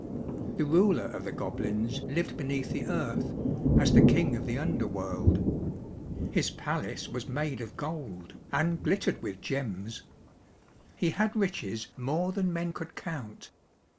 The ruler of the goblins lived beneath the earth, as the king of the underworld. His palace was made of gold and glittered with gems. He had riches more than men could count.